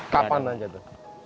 kapan aja itu